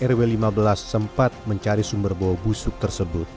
kala itu petugas kebersihan rw lima belas sempat mencari sumber bau busuk tersebut